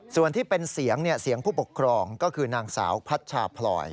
ส่วนที่เป็นเสียงเสียงผู้ปกครองก็คือนางสาวพัชชาพลอย